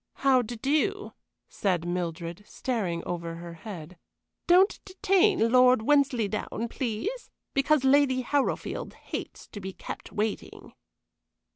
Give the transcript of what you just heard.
"How d' do," said Mildred, staring over her head. "Don't detain Lord Wensleydown, please, because Lady Harrowfield hates to be kept waiting."